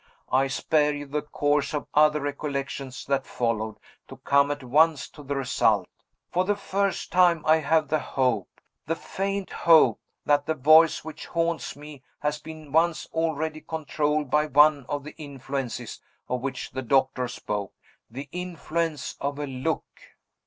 I spare you the course of other recollections that followed, to come at once to the result. For the first time I have the hope, the faint hope, that the voice which haunts me has been once already controlled by one of the influences of which the doctor spoke the influence of a look."